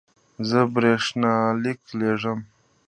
زه برېښنالیک لیږم